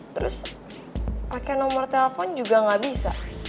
terus pakai nomor telepon juga nggak bisa